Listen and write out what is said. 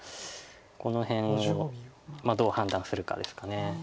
この辺をどう判断するかですか。